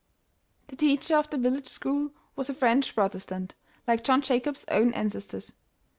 The teacher of the village school was a French Protestant, like John Jacob's own ancestors.